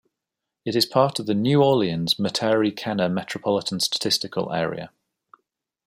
It is part of the New Orleans-Metairie-Kenner Metropolitan Statistical Area.